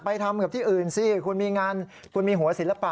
ทำกับที่อื่นสิคุณมีงานคุณมีหัวศิลปะ